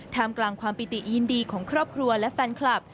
ทำกลางความปิติยินดีของครอบครัวและแฟนคลับ